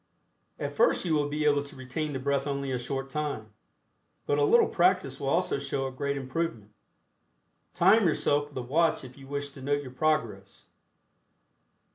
At first you will be able to retain the breath only a short time, but a little practice will also show a great improvement. Time yourself with a watch if you wish to note your progress.